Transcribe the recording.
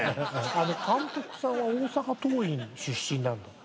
あの監督さんは大阪桐蔭出身なんだ。